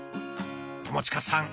友近さん